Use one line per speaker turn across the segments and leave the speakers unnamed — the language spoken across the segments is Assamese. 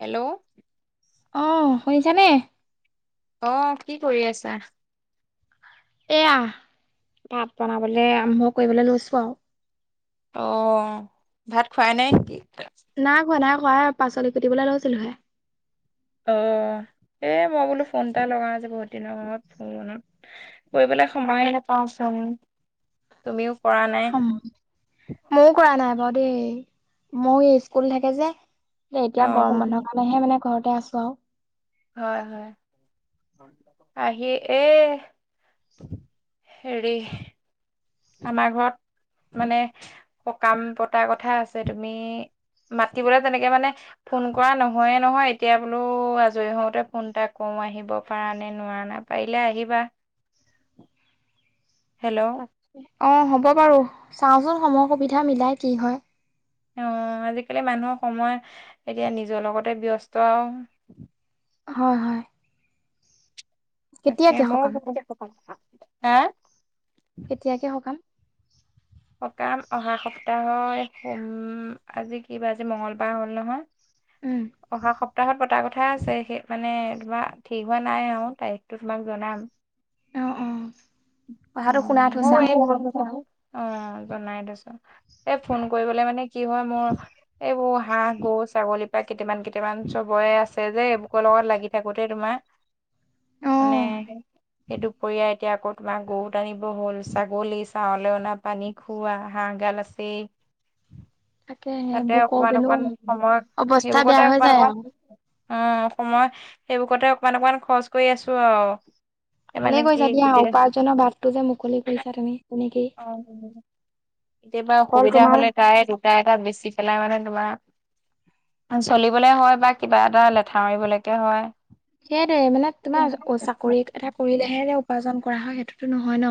হেল্ল'?
অ', শুনিছানে?
অ', কি কৰি আছা?
এয়া ভাত বনাবলৈ আৰম্ভ কৰিবলৈ লৈছো আৰু।
অ', ভাত খোৱাই নাই নেকি?
নাই খোৱা, নাই খোৱা পাচলি কুটিবলৈ লৈছিলোহে।
অ', এই মই বোলো ফোন এটা লগাওঁ আজি বহুত দিনৰ সময়ত কৰিবলে সময়হে পাওচোন, তুমিও কৰা নাই।
ময়ো কৰা নাই বাৰু দেই, ময় এ স্কুল থাকে যে।
অ
এতিয়া গৰম বন্ধৰ কাৰণেহে মানে ঘৰতে আছো আৰু।
হয়, হয়। আহি এ, হেৰি। আমাৰ ঘৰত মানে সকাম পতা কথা আছে তুমি মাতিবোলে তেনেকে মানে ফোন কৰা নহয়ে নহয়, এতিয়া বোলো আজৰি হওঁতে ফোন এটা কৰো, আহিব পাৰা নে নোৱাৰনে? পাৰিলে আহিবা। হেল্ল'
অ', হ'ব বাৰু, চাওঁচোন সময় সুবিধা মিলাই কি হয়।
অ', আজিকালি মানুহৰ সময় এতিয়া নিজৰ লগতে ব্যস্ত আৰু।
হয় হয়।
তাকে,
কেতিয়াকে সকাম
মইও হা
কেতিয়াকে সকাম।
সকাম অহা সপ্তাহৰ সোম আজি কি বাৰ আজি মংগলবাৰ হ'ল
উম
নহয়। অহা সপ্তাহত পতা কথা আছে সেই। মানে তোমাৰ ঠিক হোৱা নাই আৰু তাৰিখটো তোমাক জনাম।
অ অ কথাটো শুনা
উম্,
থৈছা আৰু
অ' জনাই থৈছোঁ। এ ফোন কৰিবলে মানে কি হয় মোৰ, এইবোৰ হাঁহ, গৰু-ছাগলীৰ পৰা কেইটামান কেইটামান চবৰে আছে যে, এইবোকৰ লগত লাগি থাকোতে তোমাৰ,
অ
মানে, এই দুপৰীয়া এতিয়া আকৌ তোমাৰ গৰু টানিব হ'ল, ছাগলী ছাৱলৈ অনা। পানী খুওৱা, হাঁহগাল আছেই।
তাকে
তাতে
সেইবোৰ
অকমান
কৰোতেনো
অকমান সময়
অৱস্থা বেয়া
সেইবোকতে
হৈ
অকমান
যায়
অকমান।
আৰু
উম্, সময় সেইবোকতে অকমান অকমান খৰচ কৰি আছোঁ আৰু। এ
ভালে
মানে কি,
কৰিছা দিয়া
কেতিয়া
উপাৰ্জনৰ বাটটো যে মুকলি কৰিছা তুমি তেনেকেই
আহ্ কেতিয়াবা
অকল
অসুবিধা
তোমাৰ
হ'লে তাৰে দুটা এটা বেচি পেলাই মানে তোমাৰ, চলিবলে হয় বা কিবা এটা লেঠা মাৰিবলৈকে হয়।
সেইটোৱে মানে তোমাৰ চাকৰি এটা কৰিলেহে যে উপাৰ্জন কৰা হয়, সেইটোতো নহয় ন।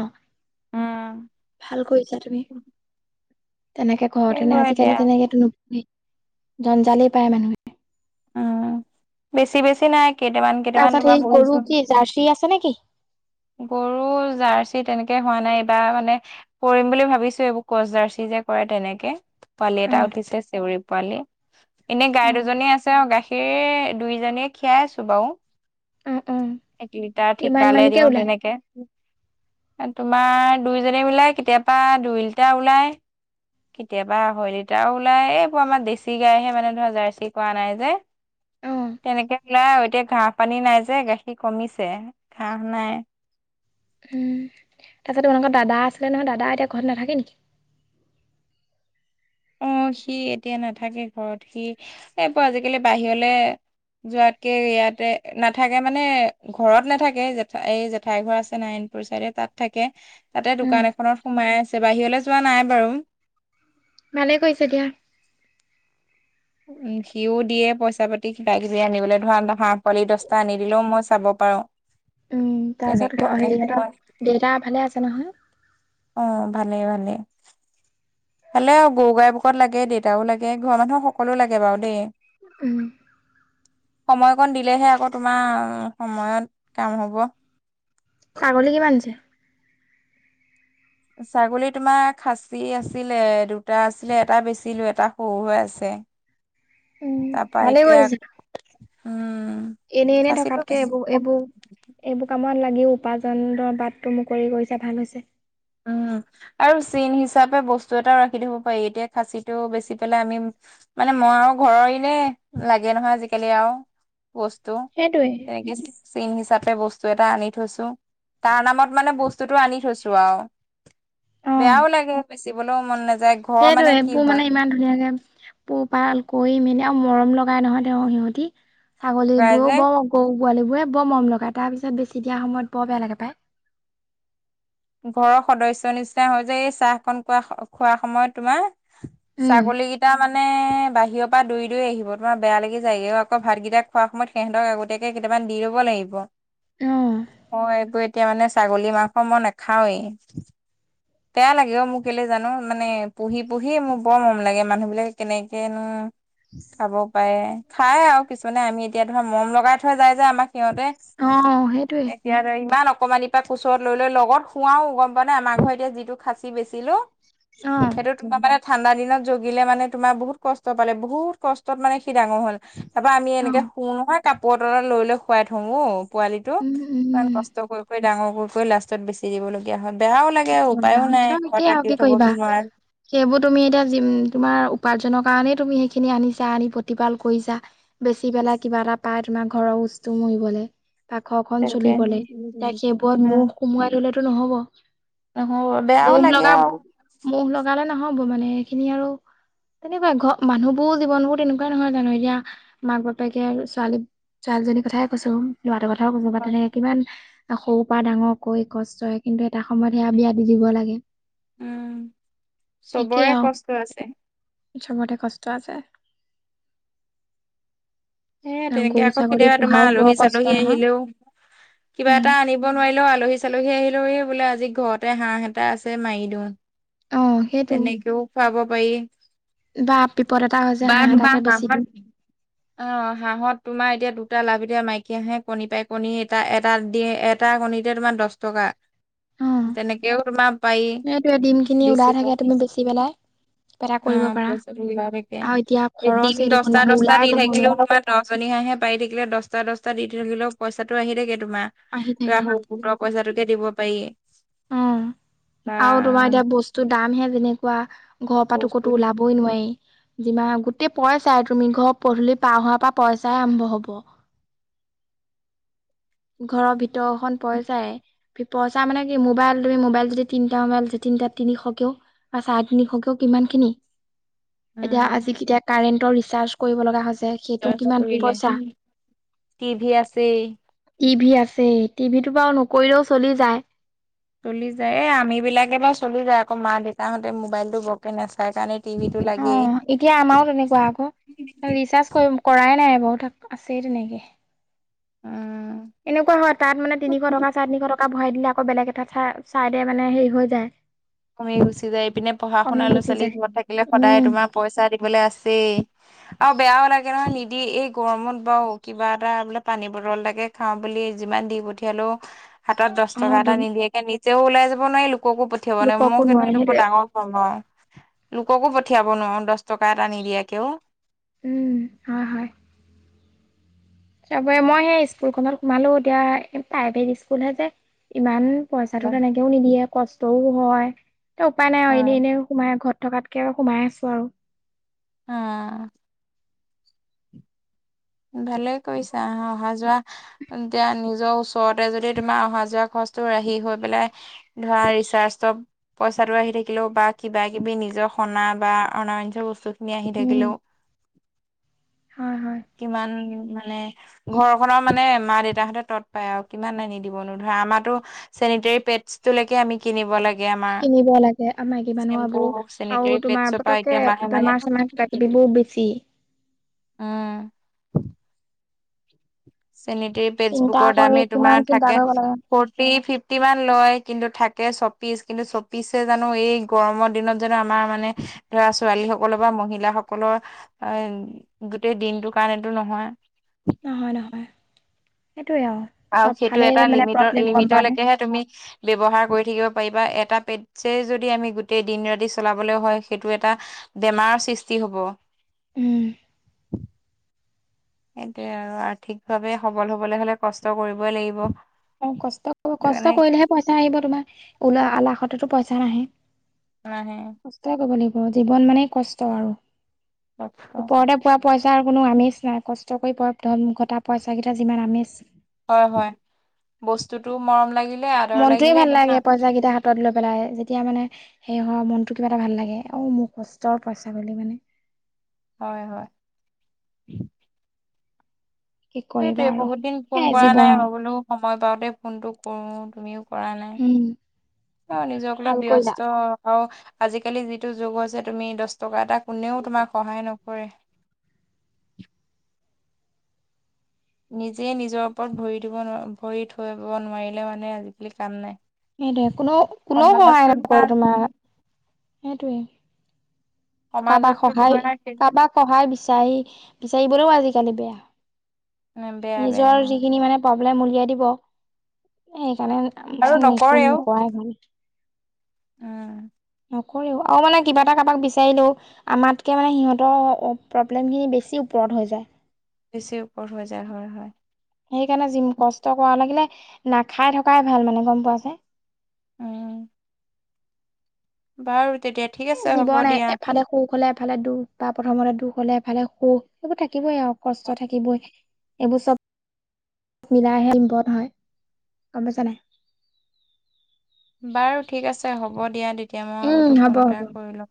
উম
ভাল কৰিছা তুমি, তেনেকে। ঘৰতে
সেইবোৰ
নাই,
এতিয়া
আজিকালি তেনেকে নো জঞ্জালেই পায় মানুহে।
অ', বেছি বেছি নাই, কেইটামান। কেইটামান
তাৰপিছত
তোমাৰ
হেই গৰু কি
পঢ়িছো
জাৰ্চি আছে নেকি?
গৰু জাৰ্চি তেনেকে হোৱা নাই এইবাৰ মানে, কৰিম বুলি ভাবিছোঁ, এইবোৰ কচজাৰ্চি যে কৰে, তেনেকে পোৱালি
অ
এটা উঠিছে চেউৰী পোৱালি। এনেই
অ
গাই দুজনী আছে, অ', গাখীৰ দুইজনীয়ে খীৰাই আছোঁ বাৰু।
অ অ
এক লিটাৰ
কিমান
ঠিকালে
মানকে
দিও
ওলাই
তেনেকে। এই তোমাৰ দুইজনি মিলায় কেতিয়াবা দুই লিটাৰ ওলায়। কেতিয়াবা আঢ়ৈ লিটাৰো ওলাই, এইবোৰ আমাৰ দেছি গাইহে মানে ধৰা জাৰ্চি কৰোৱা নাই যে।
অ
তেনেকে ওলাই, এতিয়া ঘাঁহ, পানী নাই যে গাখীৰ কমিছে ঘাঁহ নাই।
তাৰপাছত তোমালোকৰ দাদা আছিলে নহয়, দাদা এতিয়া ঘৰত নাথাকে নেকি?
অ', সি এতিয়া নাথাকে ঘৰত, সি এইবোৰ আজিকালি বাহিৰলে যোৱাতকে ইয়াতে নাথাকে মানে ঘৰত নাথাকে, জেঠ এই জেঠাই ঘৰ আছে নাই চাইডে তাত থাকে, তাতে
উম
দোকান এখনত সোমাই আছে বাহিৰলৈ যোৱা নাই বাৰু।
ভালেই কৰিছে দিয়া।
উম্, সিও দিয়ে পইচা পাতি কিবা কিবি আনিবলৈ ধৰা, হাঁহ পোৱালি দছটা আনি দিলেও মই চাব পাৰোঁ।
উম্, তাৰ পিছত হেৰি হঁতৰ দেউতা ভালে আছে নহয়।
অ', ভালে ভালে। ভালেই আৰু গৰু গাই বুকত লাগে, দেউতাও লাগে ঘৰৰ মানুহ সকলো লাগে বাৰু দেই।
উম্
সময়কণ দিলেহে আকৌ তোমাৰ সময়ত কাম হ'ব।
ছাগলী কিমান আছে।
ছাগলী তোমাৰ খাচী আছিলে, দুটা আছিলে এটা বেচিলো এটা সৰু হৈ আছে।
উম
তাৰপা,
ভালে
এতিয়া উম্,
এনেই এনেই থকাতকে এইবোৰ এইবোৰ। এইবোৰ কামত লাগিও উপাৰ্জনদ বাটটো মুকলি কৰিছে ভাল হৈছে।
উম। আৰু চিন হিচাপে বস্তু এটাও ৰাখি থ'ব পাৰি। এতিয়া খাছীটো বেচি পেলাই আমি মানে মই আৰু ঘৰৰ এনে লাগে নহয় আজিকালি আৰু বস্তু।
সেইটোৱে।
তেনেকে চিন হিচাপে বস্তু এটা আনি থৈছো। তাৰ নামত মানে বস্তুটো আনি থৈছো আৰু। বেয়াও লাগে বেচিবলৈও মন নেয
সেইটো এইবোৰ মানে ইমান ধুনীয়া ধুনীয়া পোহপাল কৰি মেলি আৰু মৰম লগাই নহয় তেওঁ সিহঁতি।
লগাই
ছাগলীবোৰো
যে
বৰ গৰু পোৱালীবোৰে বৰ মৰম লগায়। তাৰপিছত বেছি দিয়া সময়ত বৰ বেয়া লাগে পায়।
ঘৰৰ সদস্যৰ নিচিনা হয় যে এই চাহখন খোৱা খোৱা সময়ত তোমাৰ।
উম
ছাগলী কেইটা মানে বাহিৰৰ পৰা দৌৰি দৌৰি আহিব। তোমাৰ বেয়া লাগি যায়গে। আকৌ ভাতকেইটা খোৱা সময়ত সিহঁতক আগতীয়াকে কেইটামান দি ল'ব লাগিব।
অ
অ', এইবোৰে। এতিয়া মানে ছাগলী মাংস মই নাখাওঁৱেই। বেয়া লাগে অ', মোৰ কেলে জানো। মানে পুহি পুহি মোৰ বৰ মৰম লাগে। মানুহ বিলাকে কেনেকেনো খাব পাৰে। খাই আৰু কিছুমানে। আমি এতিয়া ধৰা মৰম লগাই থৈ যায় যে আমাক সিহঁতে।
অ' সেইটয়ে।
ইয়াতে, ইমান অকমানিৰ পৰা কোচত লৈ লৈ, লগত শুৱাও গ'ম পোৱা নাই, আমাৰ ঘৰত এতিয়া যি টো খাচি বেচিলো
অ'।
সেইটো তোমাৰ মানে ঠাণ্ডা দিনত জগিলে মানে, তোমাৰ বহুত কষ্ট পালে বহুত কষ্টত মানে সি ডাঙৰ হ'ল। তাৰা পাৰা আমি
অ
এনেকে শুও নহয় কাপোৰ তলত লৈ লৈ শুৱাই থওঁ অ' পোৱালিটো।
উম উম
ইমান
উম
কষ্ট কষ্ট কৰি কৰি ডাঙৰ কৰি কৰি লাষ্টত বেচি দিবলগীয়া হয, বেয়াও লাগে আৰু।
দিব লগা হকে আ কি কৰিবা। সেইবোৰ তুমি এতিয়া তোমাৰ উপাৰ্জনৰ কাৰণেই তুমি সেইখিনি আনিছা, আনি প্ৰতিপাল কৰিছা। বেচি পেলাই কিবা এটা পাই তোমাৰ ঘৰৰ হুচটো মৰিবলৈ। বা ঘৰ খন
তাকে
চলিবলে, এতিয়া সেইবোৰত মুৰ সোমোৱাই ললেতো নহব।
নহয়বাৰু, বেয়াও লাগে আৰু।
মোহ লগালে নহ'ব মানে, এইখিনি আৰু তেনেকুৱাই ঘ মানুহবোৰ জীৱনবোৰ তেনেকুৱাই নহয় জানো, এতিয়া মাক বাপেকে ছোৱালী ছোৱালীজনীৰ কথাই কৈছো। লৰাটোৰ কথাও কবা তেনেকে কিমান সৰু পৰা ডাঙৰ কৰি কষ্টৰে কিন্তু এটা সময়ত সেয়া বিয়া দি দিব লাগে।
উম,
একেই
চবৰে
আৰু
কষ্ট আছে।
চবতে কষ্ট আছে।
এ
কাৰণ
তেনেকে
গৰু
আকৌ
ছাগলী
কেতিয়াবা
পোহাও
তোমাৰ
বৰ
আলহী
কষ্ট
চালহী
নহয়
আহিলেও কিবা
উম
এটা আনিব নিব নোৱাৰিলেও আলহী চালহী আহিলেও বোলে আজি ঘৰতে হাঁহ এটা আছে মাৰি দিও।
অ সেইটো
তেনেকেও খুৱাব পাৰি।
বা বিপদ এটা হৈছে
বা
হাঁহ
তোমাৰ
এটাকে বেছি
হাঁহত
দিম।
অ' হাঁহত তোমাৰ এতিয়া দুটা লাভ, এতিয়া মাইকী হাঁহে আহে কণী পাই কণী এটা এটা দি এটা কণীতে তোমাৰ দহ টকা।
অ
তেনেকেও তোমাৰ পাৰি বেছিব।
দি পেলাই কিবা এটা
অ
কৰিব পাৰা
পইচা
আৰু এতিয়া
মিলাই দিম
খৰচেই দেখোন
দহটা
মানুহ
দহটা
ওলাই
দি
যাব
থাকিলে
নোৱাৰি
দহজনী হাঁহে পাৰি থাকিলে দহটা দহটা দি থাকিলেও পইচাটো আহি থাকে তোমাৰ।
আহি
ত
থাকে
গোটৰ পইচা তোকে দিব পাৰি।
উম,
বা
আৰু তোমাৰ এতিয়া বস্তুৰ দামহে যেনেকুৱা। ঘৰৰ পৰাটো ক'তো ওলাবই নোৱাৰি। যিমা গোটেই পইচাই, তুমি ঘৰ পধূলি পাৰ হোৱাৰ পৰা পইচাই আৰম্ভ হ'ব। ঘৰৰ ভিতৰখন পইছাই। পইচা মানে কি মোবাইল তুমি মোবাইল যদি তিনিটা মোবাইল তিনিটা তিনিশকেও। চাৰে তিনিশকও কিমান খিনি। এতিয়া
উম
আজি কেতিয়া কাৰেণ্টৰ ৰিচাৰ্জ কৰিব লগা হৈছে সেইটো কিমান পইচা।
টিভি আছেই।
টিভি আছে টিভিটো বাৰু নকৰিলেও চলি যায়।
চলি যায়, এ আমিবিলাকে বাৰু চলি যায়, আকৌ মা দেউতাহঁতে মোবাইলটো বৰকে নাচাই কাৰণে, টিভিটো লাগেই
অ', এতিয়া আমাৰো তেনেকুৱা আকৌ ৰিচাৰ্জ কৰিম। কৰাই নাই মই তাক, আছেই তেনেকৈ।
উম্।
এনেকুৱা হয় তাত মানে তিনিশ টকা চাৰে তিনিশ টকা ভৰাই দিলে আকৌ বেলেগ এটা চাই চাইডে মানে, হেৰি হৈ যায়।
তুপনি গুচি যাই ইপিনে, পঢ়া
কমি
শুনা ল'ৰা
গুচি
ছোৱালী
যায়
ঘৰত থাকিলে সদায়
উম
তোমাৰ। পইচা দিবলৈ আছেই। আৰু বেয়াও লাগে নহয় নিদি, এই গৰমত বাৰু কিবা এটা বোলে পানী বটল এটাকে খাওঁ বুলি, যিমান দি পঠিয়ালেও। হাতত দহ
অ
টকা এটা নিদিয়াকে নিজেও ওলাই যাব নোৱাৰি, লোককো পঠিয়াব নোৱাৰি,
লোককো
মই কিন্তু
নোৱাৰে
এইটো বৰ
সেইটোৱে
ডাঙৰ অ'অ'অ', লোককো পঠিয়াব নোৱাৰোঁ দহ টকা এটা নিদিয়াকে অ',
উম্, হয় হয়। তাৰপৰা মই সেই স্কুলখনত সোমালোঁ, এতিয়া প্ৰাইভেট স্কুলহে যে ইমান পইচাটো তেনেকেও নিদিয়ে, কষ্টও হয়, এ উপায়
অ
নাই এনে এনেই সোমাই ঘৰত থকাতকে সোমাই আছোঁ আৰু।
অ', ভালেই কৰিছাঁ, অহা যোৱা এতিয়া নিজৰ ওচ ওচৰতে যদি তোমাৰ অহা যোৱা খৰচটো ৰাহি হৈ পেলাই, ধৰা ৰিচাৰ্জটো পইচাটো আহি থাকিলেও বা কিবা কিবি নিজৰ সনা বা অনাৰঞ্জ বস্তুখিনি
উম্, হয় হয়।
কিমান মানে। ঘৰখনৰ মানে মা দেউতাহঁতে তৎ পায় আৰু কিমান আনি দিবনো ধৰা আমাৰো। চেনিটাৰী পেডছ্টোলৈকে আমি কিনিব লাগে আমাৰ
কিনিব লাগে, মাইকী মানুহৰ
চেম্পু
এবোৰ
চেনিটেৰী
আৰু তোমাৰ
পেডছৰ পৰা
পতককে
এতিয়া
বেমাৰ চেমাৰ ক বিষ বোৰ বেছি।
উম্। চেনিটৰী পেডছ
চিন্তা
বোৰৰ
কৰি
দামেই
কিমান
তোমাৰ
চিন্তা
থাকে।
কৰিব লাগে
ফৰ্টি ফিফটি মান লয় কিন্তু থাকে ছয়পিচ কিন্তু চৌজানো এই গৰমৰ দিনত জানোঁ আমাৰ মানে ধৰা ছোৱালী সকলৰ বা মহিলাসকলৰ। গোটেই দিনটো কাৰণেটো নহয়।
নহয় নহয়, সেইটোৱে আৰু।
আৰু
চব
সেইটো
ফালে
এটা
মানে
লিমিট,
প্ৰব্লেম গম পোৱা নাই
লিমিটলৈকেহে তুমি। ব্যৱহাৰ কৰি থাকিব পাৰিবা এটা পেডচে যদি আমি গোটেই দিন ৰাতি চলাবলৈ হয়, সেইটো এটা বেমাৰৰ সৃষ্টি হ'ব।
উম্।
সেইটোয়ে আৰু আৰ্থিকভাৱে সবল হ'বলৈ হ'লে কষ্ট কৰিবই লাগিব।
অ', কষ্ট
সেইটো
কষ্ট
কাৰণে
কৰিলেহে পইচা আহিব তোমাৰ, ওল আলাসতেতো পইচা নাহে।
নাহে।
কষ্টই কৰিব লাগিব, জীৱন মানে কষ্ট আৰু ওপৰতে পোৱা পইচাৰ কোনো আমেজ নাই, কষ্ট কৰি পোৱা ধন ঘটা পইচাকেইটা যিমান আমেজ।
হয় হয়, বস্তুটো মৰম লাগিল।
মনটোৱে ভাল লাগে পইচা কেইটা হাতত লৈ পেলাই যেতিয়া মানে হেৰি হয়, মনটো কিবা এটা ভাল লাগে, অ', মোৰ কষ্টৰ পইচা বুলি মানে।
হয় হয়।
কি কৰিবা
সেইটোৱে
আৰু
বহুত দিন ফোন
সেয়াই
কৰা
জীৱন
নাই,
আৰু
মই বোলো সময় পাওঁতে ফোনটো কৰো তুমিও কৰা নাই।
উম
অ নিজক ল
ভাল কৰিলা
ব্যস্ত অ আজিকালি যিটো যুগ হৈছে তুমি দহ টকা এটা কোনেও তোমাক সহায় নকৰে। নিজে নিজৰ ওপৰত ভৰি দিব ন ভৰি থৈব নোৱাৰিলে মানে আজিকালি কাম নাই।
সেইটোৱে কোনেও কোনেও সহায় নকৰে তোমাৰ, সেইটোৱে। কাবাক
সমাজতো
সহায়
তোমাৰ সেইটো
কাবাক সহায় বিচাৰি বিচাৰিব'লেও আজিকালি বেয়া।
বেয়া বেয়া
নিজৰ যিখিনি মানে প্ৰব্লেম উলিয়াই দিব এ
আৰু
সেইকাৰণে নিকো
নকৰেও
নকোৱাই ভাল।
উম
নকৰেও আৰু মানে কিবা এটা কাবাক বিচাৰিলেও আমাতকে মানে সিহঁতৰ প্ৰব্লেম খিনি বেছি ওপৰত হৈ যায়।
বেছি ওপৰত হৈ যায় হয় হয়।
সেইকাৰণে যি কষ্ট কৰা লাগিলে নাখাই থকাই ভাল মানে গম পোৱা নে?
উম। বাৰু তে তিয়
জীৱন এফালে সুখ হলে এফালে দুখ বা প্ৰথমতে দুখ হলে এফালে সুখ সেইবোৰ থাকিবই আৰু কষ্ট থাকিবই। এইবোৰ চব মিলাইহে [unintelligible] হয় গম পাইছান নাই?
বাৰু ঠিক আছে হ'ব দিয়া তেতিয়া মই
উম
বোলো
হ'ব
ফোন এটা
হ'ব
কৰি লওঁ।